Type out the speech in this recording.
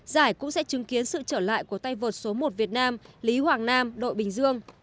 giải cũng sẽ chứng kiến sự trở lại của tay vợt số một việt nam lý hoàng nam đội bình dương